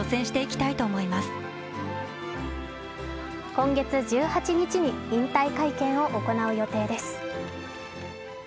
今月１８日に引退会見を行う予定です。